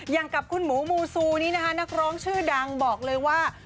อย่างกับคุณหมูมูซูนี้นะคะนักร้องชื่อดังบอกเลยว่า